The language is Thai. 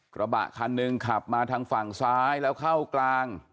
กระบะคันหนึ่งขับมาทางฝั่งซ้ายแล้วเข้ากลาง